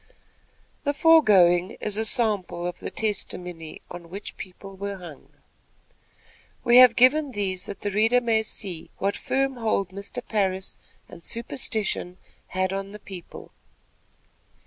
The foregoing is a sample of the testimony on which people were hung. We have given these, that the reader may see what firm hold Mr. Parris and superstition had on the people.